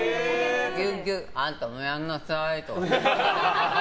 ギューギューあんたもやんなさいって。